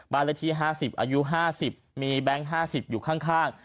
เลขที่๕๐อายุ๕๐มีแบงค์๕๐อยู่ข้าง